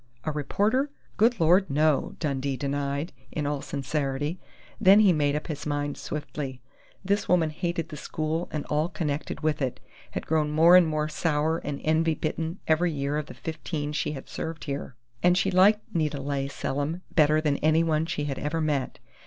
"A reporter? Good Lord, no!" Dundee denied, in all sincerity. Then he made up his mind swiftly. This woman hated the school and all connected with it, had grown more and more sour and envy bitten every year of the fifteen she had served here and she liked Nita Leigh Selim better than anyone she had ever met.